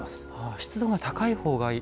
湿度が高いほうがいい。